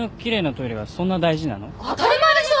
当たり前でしょ！